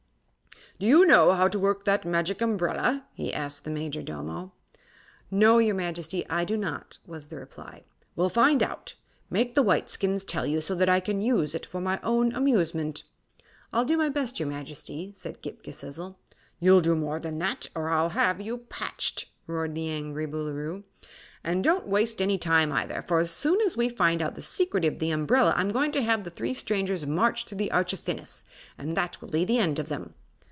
"Do you know how to work that Magic Umbrella?" he asked the Majordomo. "No, your Majesty; I do not," was the reply. "Well, find out. Make the Whiteskins tell you, so that I can use it for my own amusement." "I'll do my best, your Majesty," said Ghip Ghisizzle. "You'll do more than that, or I'll have you patched!" roared the angry Boolooroo. "And don't waste any time, either, for as soon as we find out the secret of the umbrella I'm going to have the three strangers marched through the Arch of Phinis and that will be the end of them."